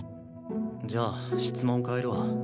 じゃあ質問変えるわ。